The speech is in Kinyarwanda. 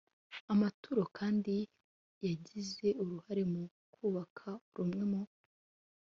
amaturo kandi yagize uruhare mu kubaka rumwe mu